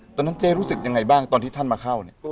ตอนนั้นเจ๊รู้สึกยังไงบ้างตอนที่ท่านมาเข้าเนี่ย